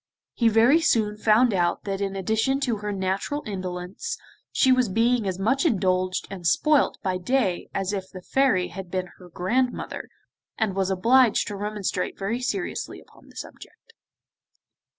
He very soon found out that in addition to her natural indolence, she was being as much indulged and spoilt day by day as if the Fairy had been her grandmother, and was obliged to remonstrate very seriously upon the subject.